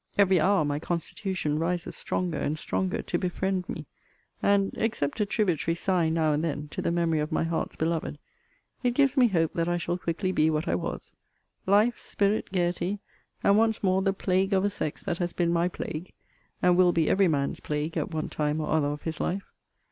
Every hour my constitution rises stronger and stronger to befriend me; and, except a tributary sigh now and then to the memory of my heart's beloved, it gives me hope that I shall quickly be what I was life, spirit, gaiety, and once more the plague of a sex that has been my plague, and will be every man's plague at one time or other of his life.